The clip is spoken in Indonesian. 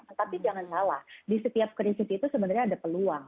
tetapi jangan salah di setiap krisis itu sebenarnya ada peluang